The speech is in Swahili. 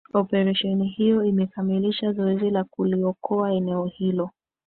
operesheni hiyo imekamilisha zoezi la kuliokoa eneo hilo